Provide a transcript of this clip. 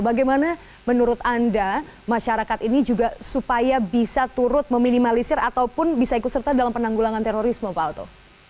bagaimana menurut anda masyarakat ini juga supaya bisa turut meminimalisir ataupun bisa ikut serta dalam penanggulangan terorisme pak alto